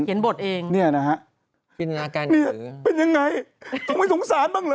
เห็นบทเองเนี่ยนะฮะเป็นอย่างไรต้องไว้สงสารบ้าง